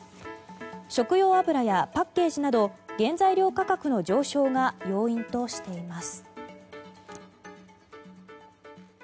食用油やパッケージなど原材料価格の上昇が要因としています。